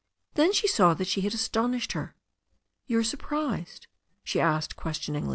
Then she saw that she had astonished her. "You are surprised?" she said questioningly.